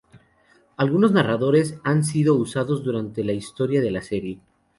Algunos narradores han sido usados durante la historia de la serie.